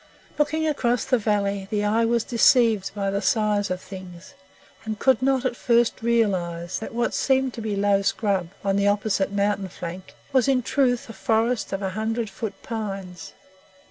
Looking across the valley, the eye was deceived by the size of things, and could not at first realise that what seemed to be low scrub, on the opposite mountain flank, was in truth a forest of hundred foot pines.